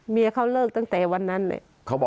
เขาเลิกตั้งแต่วันนั้นเลย